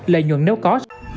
lợi nhuận nếu có